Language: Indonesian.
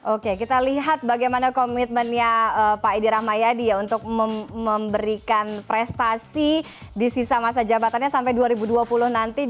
oke kita lihat bagaimana komitmennya pak edi rahmayadi ya untuk memberikan prestasi di sisa masa jabatannya sampai dua ribu dua puluh nanti